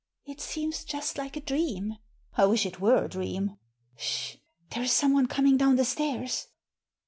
It seems just like a dream." " I wish it were a dream." S sh ! There is someone coming down the stairs."